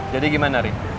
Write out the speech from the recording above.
jadi gimana ri